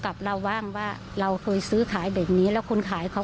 กับเราบ้างว่าเราเคยซื้อขายแบบนี้แล้วคนขายเขา